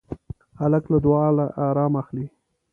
هلک له دعا نه ارام اخلي.